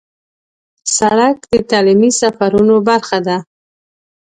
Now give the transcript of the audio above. سړک د تعلیمي سفرونو برخه ده.